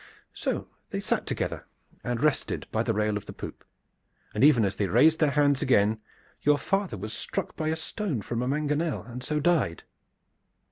So they sat together and rested by the rail of the poop; but even as they raised their hands again your father was struck by a stone from a mangonel and so died."